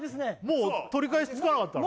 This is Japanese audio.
もう取り返しつかなかったの？